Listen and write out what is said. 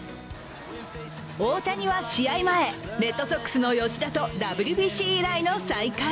大谷は試合前、レッドソックスの吉田とＷＢＣ以来の再会。